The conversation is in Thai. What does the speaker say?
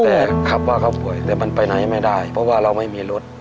แต่ขับว่าเขาป่วยแต่มันไปไหนไม่ได้เพราะว่าเราไม่มีรถ